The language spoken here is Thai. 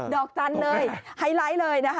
นอกจันเลย